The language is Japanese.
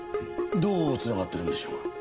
どう繋がってるんでしょうか？